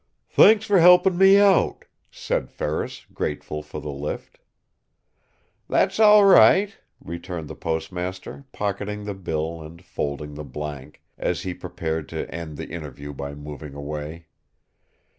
"Thanks for helpin' me out," said Ferris, grateful for the lift. "That's all right," returned the postmaster, pocketing the bill and folding the blank, as he prepared to end the interview by moving away.